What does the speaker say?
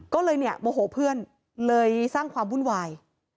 ก็เลยเนี่ยโมโหเพื่อนเลยสร้างความวุ่นวาย